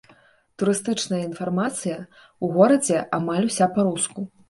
Турыстычная інфармацыя ў горадзе амаль уся па-руску.